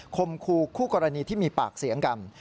คมคู่คู่กรณีที่มีปากเสียงกัน